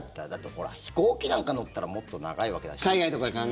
ほら、飛行機なんか乗ったらもっと長いわけだし。